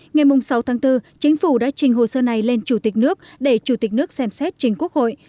ngày sáu tháng bốn chính phủ đã trình hồ sơ này lên chủ tịch nước để chủ tịch nước xem xét trình quốc hội